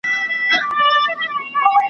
تر قیامته بل ته نه سوای خلاصېدلای `